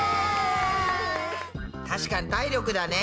確かに体力だね。